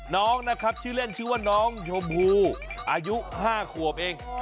น้องนะครับชื่อเล่นชื่อว่าน้องชมพูอายุ๕ขวบเอง